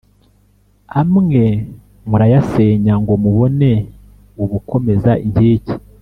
amwe murayasenya, ngo mubone ubukomeza inkike.